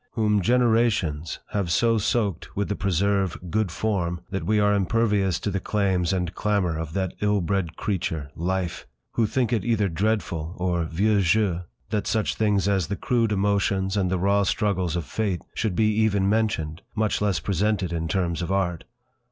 Whom generations have so soaked with the preserve "good form" that we are impervious to the claims and clamour of that ill bred creature—life! Who think it either dreadful, or 'vieux jeu', that such things as the crude emotions and the raw struggles of Fate should be even mentioned, much less presented in terms of art!